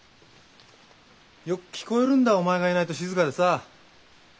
よく聞こえるんだお前がいないと静かでさ。